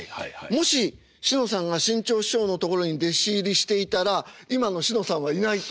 もししのさんが志ん朝師匠のところに弟子入りしていたら今のしのさんはいないと思うんです。